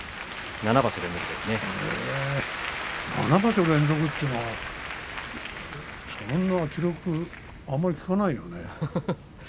７場所連続というのはそんな記録はあんまり聞かないよ